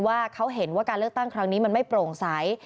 ว่าเขาเห็นว่าการเลือกตั้งครั้งนี้มันไม่โปร่งใส